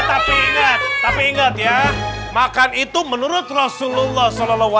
tapi ingat tapi ingat ya makan itu menurut rasulullah saw